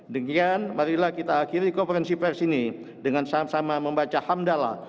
dengan marilah kita akhiri konferensi pers ini dengan sama sama membaca hamdallah